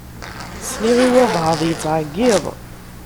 Sliɣ i wabɛaḍ yettɛeggiḍ.